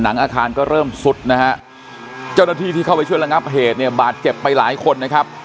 อาคารก็เริ่มสุดนะฮะเจ้าหน้าที่ที่เข้าไปช่วยระงับเหตุเนี่ยบาดเจ็บไปหลายคนนะครับ